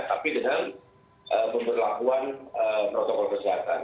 tapi dengan pemberlakuan protokol kesehatan